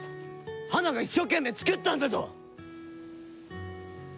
花が一生懸命作ったんだぞ！